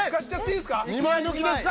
２枚抜きですか？